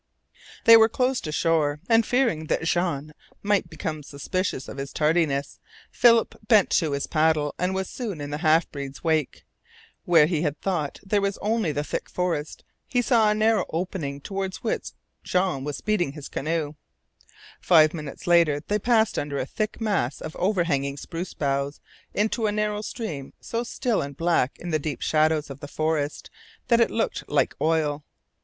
They were close to shore, and fearing that Jean might become suspicious of his tardiness, Philip bent to his paddle and was soon in the half breed's wake. Where he had thought there was only the thick forest he saw a narrow opening toward which Jean was speeding in his canoe. Five minutes later they passed under a thick mass of overhanging spruce boughs into a narrow stream so still and black in the deep shadows of the forest that it looked like oil.